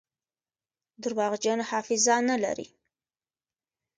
درواغجن حافظه نلري.